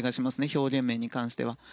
表現面に関しては。